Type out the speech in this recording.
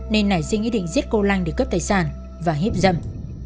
nên nảy suy nghĩ định giết cô lanh để cướp tài sản và hiếp dâm